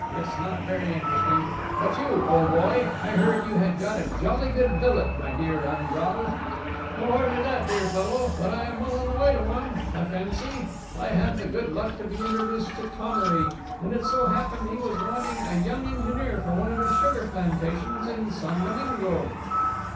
It's not very interesting; but you, old boy ... I heard you had got a jolly good billet, my dear Andral!" "Oh, hardly that, dear fellow; but I am well on the way to one, I fancy. I had the good luck to be introduced to Thomery, and it so happened he was wanting a young engineer for one of his sugar plantations in San Domingo."